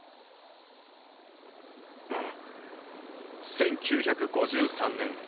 １９５３年。